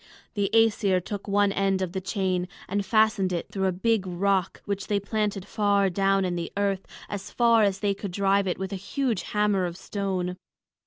The Æsir took one end of the chain and fastened it through a big rock which they planted far down in the earth, as far as they could drive it with a huge hammer of stone.